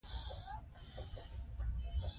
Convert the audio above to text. مکسیکو بزګران خپل درد لري.